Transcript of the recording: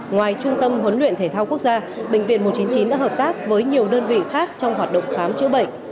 ngoài trung tâm huấn luyện thể thao quốc gia bệnh viện một trăm chín mươi chín đã hợp tác với nhiều đơn vị khác trong hoạt động khám chữa bệnh